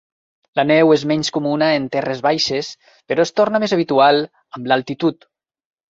La neu és menys comuna en terres baixes, però es torna més habitual amb l'altitud.